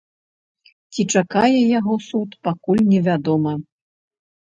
Ці чакае яго суд, пакуль невядома.